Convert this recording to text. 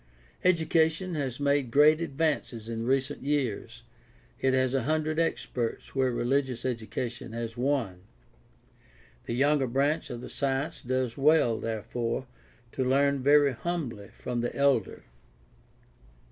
Education has made great advances in recent years; it has a hundred experts where religious education has one. The younger branch of the science does well, therefore, to learn very humbly from the elder.